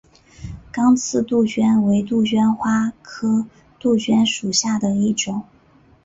刚刺杜鹃为杜鹃花科杜鹃属下的一个种。